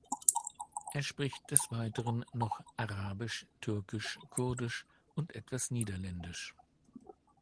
Er spricht des Weiteren noch Arabisch, Türkisch, Kurdisch und etwas Niederländisch.